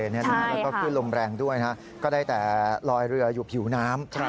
แล้วก็ขึ้นลมแรงด้วยก็ได้แต่ลอยเรืออยู่ผิวน้ำ